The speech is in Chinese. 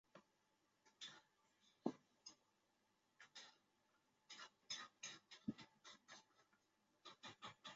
用于往有机分子中引入叠氮基团。